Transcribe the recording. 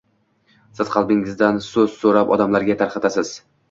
siz qalbingizdan so‘z so‘rab odamlarga tarqatasiz.